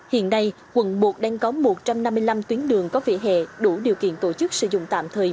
hiện nay quận một đang có một trăm năm mươi năm tuyến đường có vỉa hè đủ điều kiện tổ chức sử dụng tạm thời